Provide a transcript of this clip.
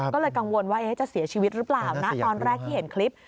ก็เลยกังวลว่าจะเสียชีวิตหรือเปล่านะตอนแรกที่เห็นคลิป